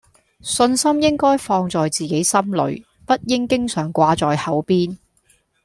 信心應該放在自己心裡，不應經常掛在口邊